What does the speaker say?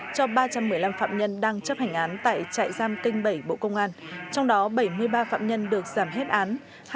cho ba trăm một mươi năm phạm nhân đang chấp hành án tại trại giam kinh bảy bộ công an trong đó bảy mươi ba phạm nhân được giảm hết án